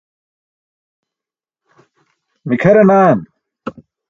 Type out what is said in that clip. mikʰaranaan